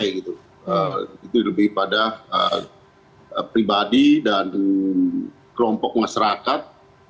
itu lebih pada pribadi dan kelompok masyarakat